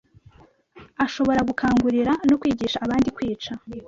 ashabora gukangurira no kwigisha abandi kwica